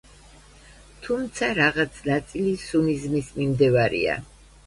თუმცა რაღაც ნაწილი სუნიზმის მიმდევარია.